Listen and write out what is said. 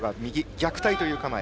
逆体という構え。